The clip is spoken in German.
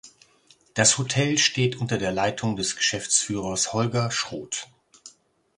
Das Hotel steht unter der Leitung des Geschäftsführers Holger Schroth.